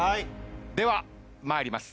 では参ります。